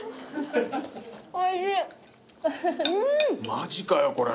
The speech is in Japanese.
マジかよこれ。